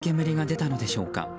なぜ黒い煙が出たのでしょうか。